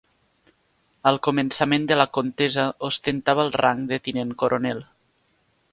Al començament de la contesa ostentava el rang de Tinent coronel.